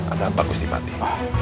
ada apa ustik panti